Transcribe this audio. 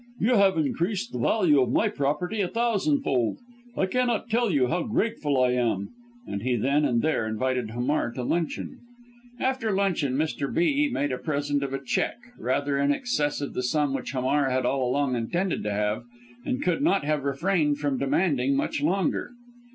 You have increased the value of my property a thousandfold, I cannot tell you how grateful I am" and he, then and there, invited Hamar to luncheon. After luncheon Mr. B. made him a present of a cheque rather in excess of the sum which Hamar had all along intended to have, and could not have refrained from demanding much longer.